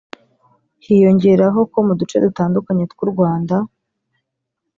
Hiyongeraho ko mu duce dutandukanye tw’u Rwanda